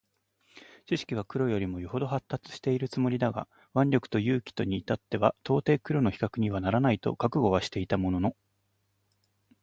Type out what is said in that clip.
智識は黒よりも余程発達しているつもりだが腕力と勇気とに至っては到底黒の比較にはならないと覚悟はしていたものの、